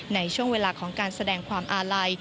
ในช่วงเวลาของการแสดงความอาลัย